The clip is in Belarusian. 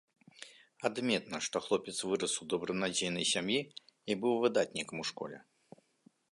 Адметна, што хлопец вырас у добранадзейнай сям'і і быў выдатнікам у школе.